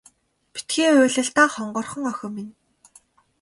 Битгий уйл даа хонгорхон охин минь.